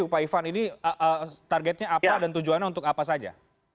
pak ivan ini targetnya apa dan tujuannya untuk apa saja